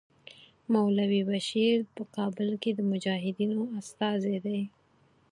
مولوي بشیر په کابل کې د مجاهدینو استازی دی.